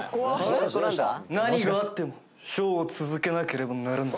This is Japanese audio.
何があってもｓｈｏｗを続けなければならない。